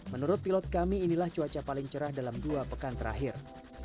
menurut pilot kami inilah cuaca paling cerah dalam dua pekan terakhir